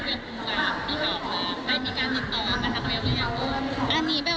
พูดกันอีกครั้งในเรื่องเรียนขึ้นค่ะ